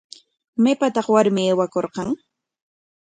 ¿Maypataq warmi aywakurqan?